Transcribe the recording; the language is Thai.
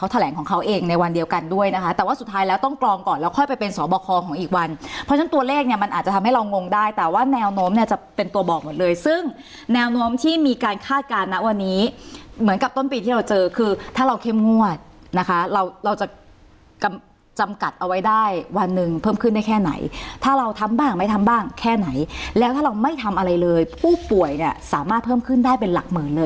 ตัวของอีกวันเพราะฉะนั้นตัวเลขมันอาจจะทำให้เรางงได้แต่ว่าแนวโน้มจะเป็นตัวบอกหมดเลยซึ่งแนวโน้มที่มีการคาดการณ์นะวันนี้เหมือนกับต้นปีที่เราเจอคือถ้าเราเข้มงวดนะคะเราจะจำกัดเอาไว้ได้วันหนึ่งเพิ่มขึ้นได้แค่ไหนถ้าเราทำบ้างไม่ทำบ้างแค่ไหนแล้วถ้าเราไม่ทำอะไรเลยผู้ป่วยเนี่ยสามารถเพิ่มขึ้นได้เป็นหล